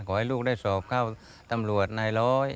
ขอให้ลูกได้สอบเข้าตำรวจนายร้อย